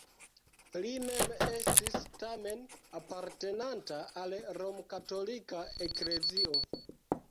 Li mem estis tamen apartenanta al romkatolika eklezio.